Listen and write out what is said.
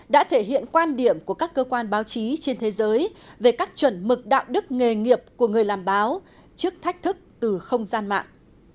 đã thể hiện quan điểm của các cơ quan báo chí trên thế giới về các chuẩn mực đạo đức nghề nghiệp của người làm báo trước thách thức từ không gian mạng